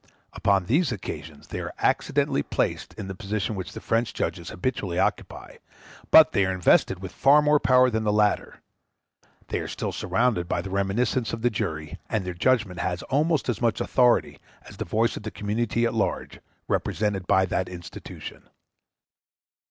*i Upon these occasions they are accidentally placed in the position which the French judges habitually occupy, but they are invested with far more power than the latter; they are still surrounded by the reminiscence of the jury, and their judgment has almost as much authority as the voice of the community at large, represented by that institution.